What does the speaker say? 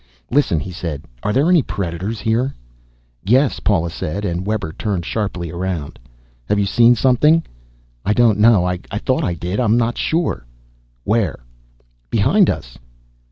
"Listen," he said, "are there any predators here?" "Yes," Paula said, and Webber turned sharply around. "Have you seen something?" "I don't know. I thought I did. I'm not sure." "Where?" "Behind us."